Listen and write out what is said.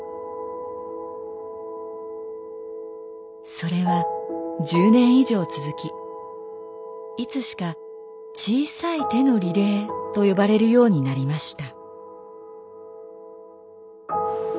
それは１０年以上続きいつしか小さい手のリレーと呼ばれるようになりました。